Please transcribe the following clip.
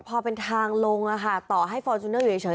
พอเป็นทางลงต่อให้ฟอร์จูเนอร์อยู่เฉย